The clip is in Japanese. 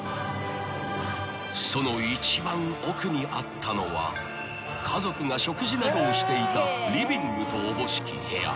［その一番奥にあったのは家族が食事などをしていたリビングとおぼしき部屋］